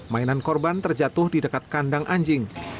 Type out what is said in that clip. mainan korban terjatuh di dekat kandang anjing